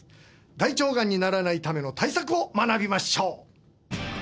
大腸がんにならないための対策を学びましょう！